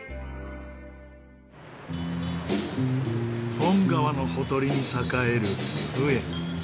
フォン川のほとりに栄えるフエ。